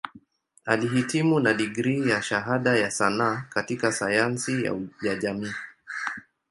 Alihitimu na digrii ya Shahada ya Sanaa katika Sayansi ya Jamii.